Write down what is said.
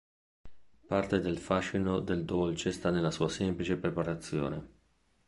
Parte del fascino del dolce sta nella sua semplice preparazione.